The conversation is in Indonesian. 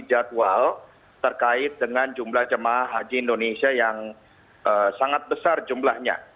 jadi ini adalah jadwal terkait dengan jumlah jemaah haji indonesia yang sangat besar jumlahnya